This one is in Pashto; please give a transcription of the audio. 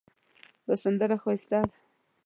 دا سندره ښایسته ده